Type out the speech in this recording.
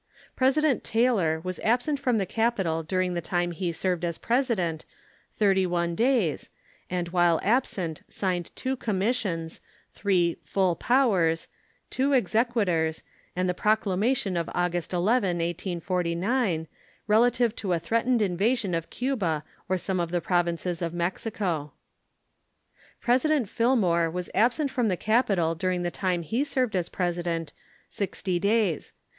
President Taylor was absent from the capital during the time he served as President thirty one days, and while absent signed two commissions, three "full powers," two exequaturs, and the proclamation of August 11, 1849, relative to a threatened invasion of Cuba or some of the Provinces of Mexico. President Fillmore was absent from the capital during the time he served as President sixty days.